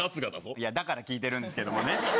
いや、だから聞いてるんですけれどもね。